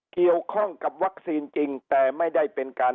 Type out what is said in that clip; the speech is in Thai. เกี่ยวข้องกับวัคซีนจริงแต่ไม่ได้เป็นการ